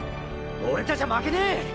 俺たちゃ負けねぇ！